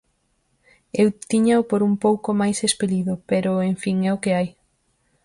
Eu tíñao por un pouco máis espelido, pero, en fin, é o que hai.